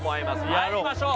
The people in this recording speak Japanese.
参りましょう！